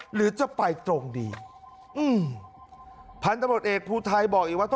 หรือจะไปตรงดีอืมพันธุ์ตำรวจเอกภูไทยบอกอีกว่า